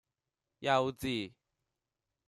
幼稚!